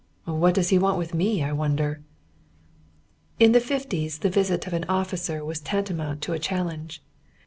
"What does he want with me, I wonder?" In the fifties the visit of an officer was tantamount to a challenge.